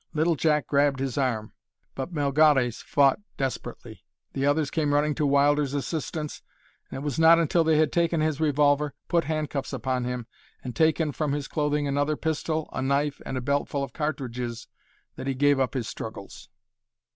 Little Jack grabbed his arm, but Melgares fought desperately. The others came running to Wilder's assistance, and it was not until they had taken his revolver, put handcuffs upon him, and taken from his clothing another pistol, a knife, and a belt full of cartridges, that he gave up his struggles.